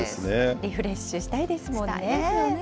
リフレッシュしたいですもんしたいですよね。